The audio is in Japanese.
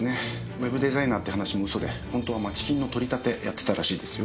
ウェブデザイナーっていう話も嘘で本当は街金の取り立てやってたらしいですよ。